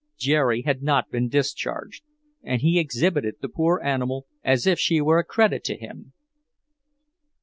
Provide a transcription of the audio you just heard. Jerry had not been discharged, and he exhibited the poor animal as if she were a credit to him.